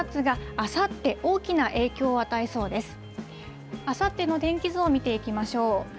あさっての天気図を見ていきましょう。